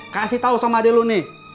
kasih tau sama adek lu nih